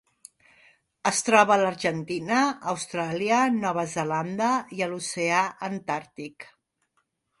Es troba a l'Argentina, Austràlia, Nova Zelanda i l'Oceà Antàrtic.